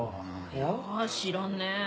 いや知らんね。